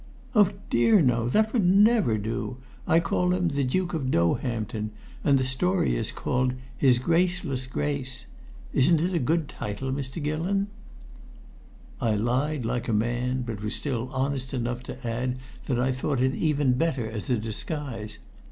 "Oh, dear, no. That would never do. I call him the Duke of Doehampton, and the story is called 'His Graceless Grace.' Isn't it a good title, Mr. Gillon?" I lied like a man, but was still honest enough to add that I thought it even better as a disguise.